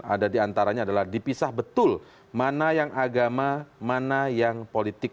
ada diantaranya adalah dipisah betul mana yang agama mana yang politik